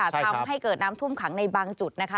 ทำให้เกิดน้ำท่วมขังในบางจุดนะคะ